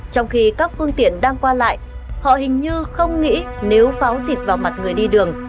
trong khi các phương tiện đang qua lại họ hình như không nghĩ nếu pháo xịt vào mặt người đi đường